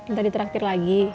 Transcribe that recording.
ntar ditraktir lagi